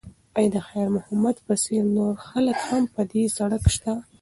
ایا د خیر محمد په څېر نور خلک هم په دې سړک شته؟